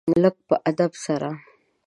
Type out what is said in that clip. لږ په ادب سره .